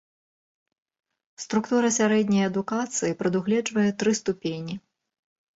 Структура сярэдняй адукацыі прадугледжвае тры ступені.